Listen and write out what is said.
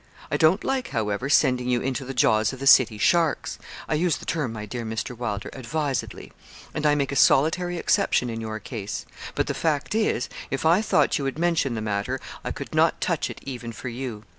I don t like, however, sending you into the jaws of the City sharks I use the term, my dear Mr. Wylder, advisedly and I make a solitary exception in your case; but the fact is, if I thought you would mention the matter, I could not touch it even for you.